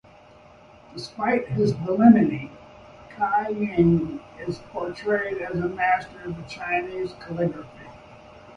Despite his villainy, Cai Jing is portrayed as a master of Chinese calligraphy.